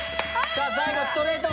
さぁ最後ストレート！